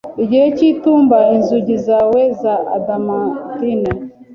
Igihe cyitumba inzugi zawe za adamantine